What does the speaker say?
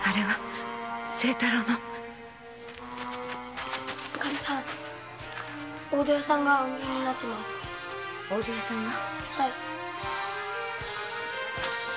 はい。